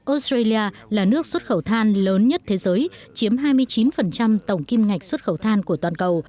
australia là nước xuất khẩu than lớn nhất thế giới chiếm hai mươi chín tổng kim ngạch xuất khẩu than của toàn cầu